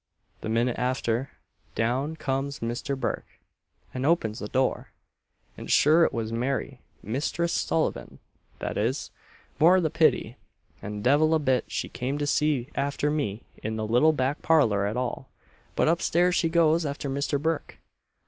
The minute after, down comes Misther Burke, and opens the door, and sure it was Mary Misthress Sullivan that is, more's the pity and devil a bit she came to see after me in the little back parlour at all, but upstairs she goes after Misther Burke.